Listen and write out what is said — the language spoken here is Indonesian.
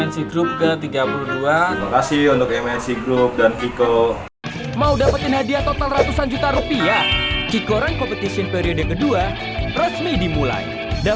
selamat ulang tahun mnc group ke tiga puluh dua